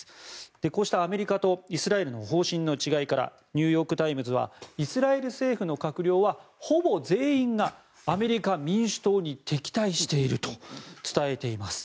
こうした、アメリカとイスラエルの方針の違いからニューヨーク・タイムズはイスラエル政府の閣僚はほぼ全員がアメリカ、民主党に敵対していると伝えています。